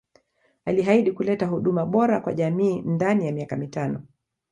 Alihaidi kuleta huduma bora kwa jamii ndani ya miaka mitano